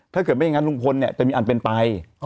ถ้าเกิดไม่อย่างนั้นลุงพลเนี่ยจะมีอันเป็นไป